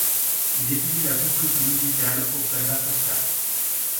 Il étudie la composition musicale auprès d'Artur Kapp.